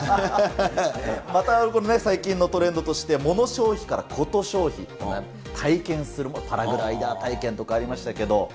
また最近のトレンドとして、モノ消費からコト消費と、体験するもの、パラグライダー体験とかありましたけれども。